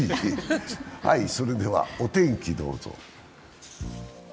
それではお天気どうぞ。